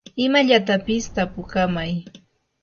imallatapis tapukamay.